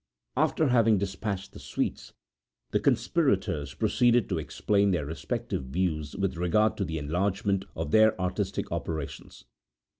After having dispatched the sweets, the conspirators proceeded to explain their respective views with regard to the enlargement of their artistic operations.